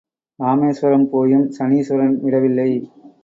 ராமேஸ்வரம் போயும் சனீஸ்வரன் விடவில்லை